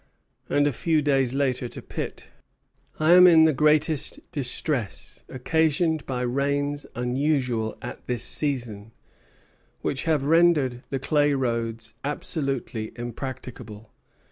And a few days later to Pitt: "I am in the greatest distress, occasioned by rains unusual at this season, which have rendered the clay roads absolutely impracticable.